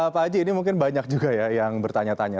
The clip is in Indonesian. pak haji ini mungkin banyak juga ya yang bertanya tanya